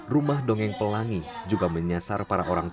rumah dongeng pelangi juga menyasar para orang tua